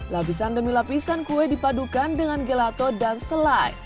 lapisan demi lapisan kue dipadukan dengan gelato dan selai